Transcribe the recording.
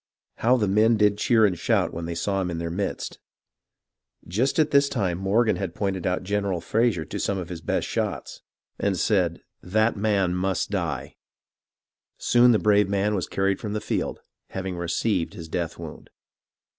How the men did cheer and shout when they saw him in their midst ! Just at this time Mor gan had pointed out General Fraser to some of his best shots, and said, " That man must die." Soon the brave man was carried from the field, having received his death wound.